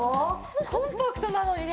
コンパクトなのにね